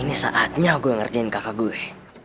ini saatnya gue ngerjain kakak gue